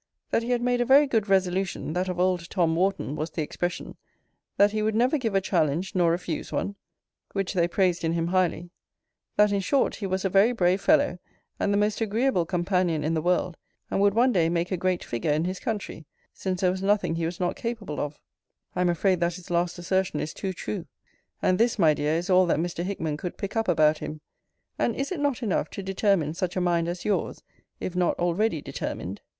That he had made a very good resolution, that of old Tom Wharton, was the expression, That he would never give a challenge, nor refuse one; which they praised in him highly: that, in short, he was a very brave fellow, and the most agreeable companion in the world: and would one day make a great figure in his country; since there was nothing he was not capable of I am afraid that his last assertion is too true. And this, my dear, is all that Mr. Hickman could pick up about him: And is it not enough to determine such a mind as yours, if not already determined?